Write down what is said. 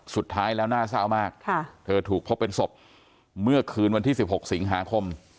สุดท้ายแล้วน่าเศร้ามากเธอถูกพบเป็นศพเมื่อคืนวันที่๑๖สิงหาคม